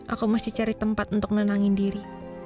aku masih cari tempat untuk nenangin diri